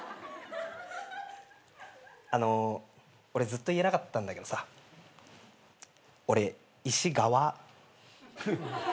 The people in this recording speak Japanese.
あの俺ずっと言えなかったんだけどさ俺イシガワ。